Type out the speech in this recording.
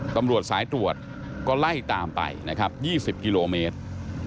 ตำรวจสายตรวจก็ไล่ตามไปนะครับ๒๐กิโลเมตร